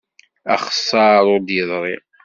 Axessar ur d-yeḍri.